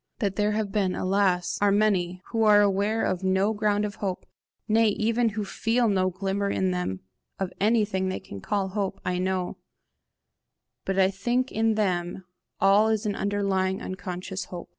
That there have been, alas, are many, who are aware of no ground of hope, nay even who feel no glimmer in them of anything they can call hope, I know; but I think in them all is an underlying unconscious hope.